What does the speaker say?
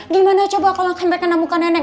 gimana coba kalo kentek gak kena muka neneng